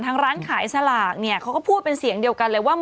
ร้านขายสลากเนี่ยเขาก็พูดเป็นเสียงเดียวกันเลยว่า